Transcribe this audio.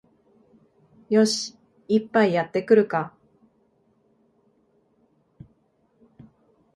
よし、一杯やってくるか